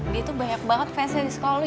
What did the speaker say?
dia tuh banyak banget fansnya di sekolah lo